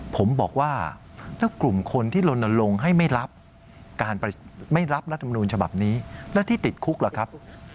ผมบอกว่าแล้วกลุ่มคนที่ลนลงให้ไม่รับการไม่รับรัฐมนูลฉบับนี้แล้วที่ติดคุกล่ะครับ